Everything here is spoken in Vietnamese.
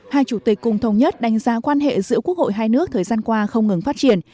hai chủ tịch cùng thống nhất đánh giá quan hệ giữa quốc hội hai nước thời gian qua không ngừng phát triển